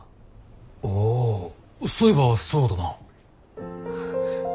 ああそういえばそうだな。